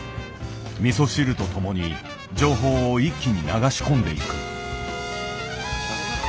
みそ汁と共に情報を一気に流し込んでいく。